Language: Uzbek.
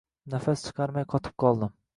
Nafas chiqarmay qotib qoldim